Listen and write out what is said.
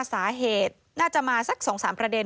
สาเหตุน่าจะมาสัก๒๓ประเด็น